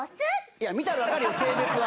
いや見たらわかるよ性別は。